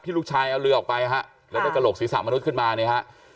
ที่ลูกชายเอาเรือออกไปนะครับแล้วก็ได้กระโหลกศีรษะมนุษย์ขึ้นมานะครับ